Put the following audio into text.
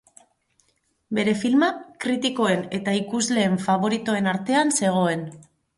Bere filma kritikoen eta ikusleen faboritoen artean zegoen.